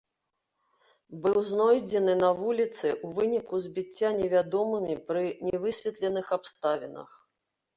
Быў знойдзены на вуліцы ў выніку збіцця невядомымі пры нявысветленых абставінах.